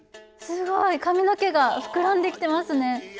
すごい！髪の毛が膨らんできてますね。